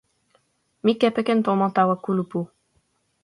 mi kepeken tomo tawa kulupu.